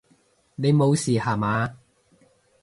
你無事吓嘛！